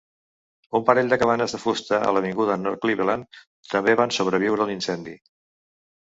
Un parell de cabanes de fusta a l'avinguda North Cleveland també van sobreviure l'incendi.